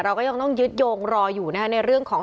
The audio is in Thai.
ก็ยังต้องยึดโยงรออยู่นะคะในเรื่องของ